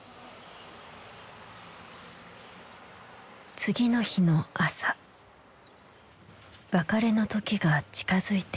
次の日の朝別れの時が近づいている。